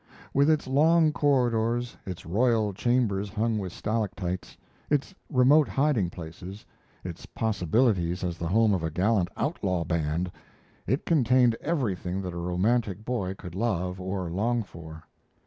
With its long corridors, its royal chambers hung with stalactites, its remote hiding places, its possibilities as the home of a gallant outlaw band, it contained everything that a romantic boy could love or long for.